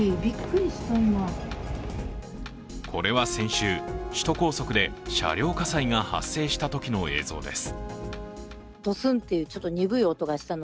これは先週、首都高速で車両火災が発生したときの映像です。